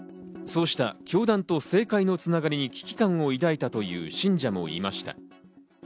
そうした教団と政界のつながりに、危機感を抱いたという信者もいました。